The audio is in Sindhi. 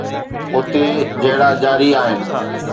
اتي جهيڙا جاري آهن